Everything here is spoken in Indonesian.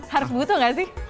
harus butuh gak sih